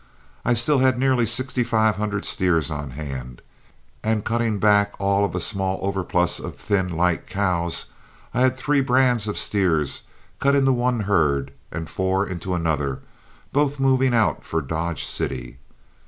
I still had nearly sixty five hundred steers on hand, and cutting back all of a small overplus of thin light cows, I had three brands of steers cut into one herd and four into another, both moving out for Dodge City.